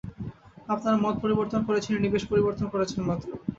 আপনারা মত পরিবর্তন করেছেন, ইনি বেশ পরিবর্তন করেছেন মাত্র।